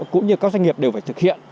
cũng như các doanh nghiệp đều phải thực hiện